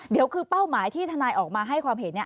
เดี๋ยวคือเป้าหมายที่ทนายออกมาให้ความเห็น